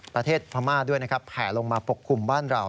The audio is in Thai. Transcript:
ประเทศพม่าด้วยแผลลงมาปกคลุมบ้านเรา